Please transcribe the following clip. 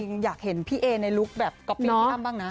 จริงอยากเห็นพี่เอในลุคแบบก็ปรี๊งพี่อ้ามบ้างนะ